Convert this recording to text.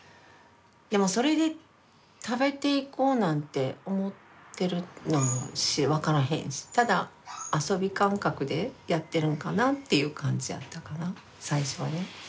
でもそれで食べていこうなんて思ってるのも分からへんしただ遊び感覚でやってるんかなっていう感じやったかな最初はね。